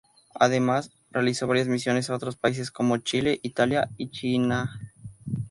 Además, realizó varias misiones a otros países, como Chile, Italia y China.